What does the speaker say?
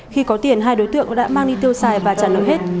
khi có tiền hai đối tượng đã mang đi tiêu xài và trả nợ hết